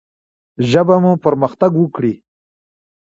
ژبه مو پرمختګ وکړي.